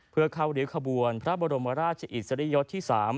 เคลื่อนเขาเหลียนขบวนพระบรมราชอิสริยศที่๓